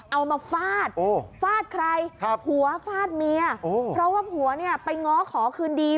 มาฟาดฟาดใครผัวฟาดเมียเพราะว่าผัวเนี่ยไปง้อขอคืนดี